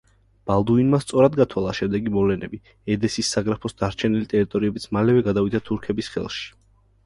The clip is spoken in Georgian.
ბალდუინმა სწორად გათვალა შემდეგი მოვლენები: ედესის საგრაფოს დარჩენილი ტერიტორიებიც მალევე გადავიდა თურქების ხელში.